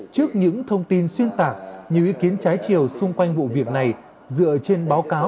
trước những thông tin xuyên tạc nhiều ý kiến trái chiều xung quanh vụ việc này dựa trên báo cáo